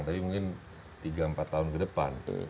tapi mungkin tiga empat tahun ke depan